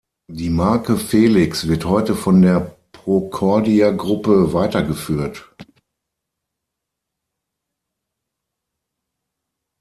Die Marke Felix wird heute von der Procordia-Gruppe weitergeführt.